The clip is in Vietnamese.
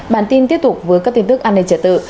bản tin tiếp tục với các tin tức an ninh trật tự